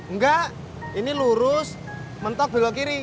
enggak ini lurus mentok belok kiri